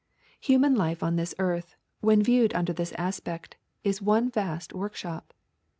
Human life on this earth, when viewed under this aspect, is one vast workshop.